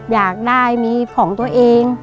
อยากได้มีของตัวเอง